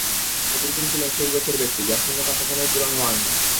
ছদরুদ্দিন ছিলেন সেই গোছের ব্যক্তি, যাঁর শূন্যতা কখনোই পূরণ হওয়ার নয়।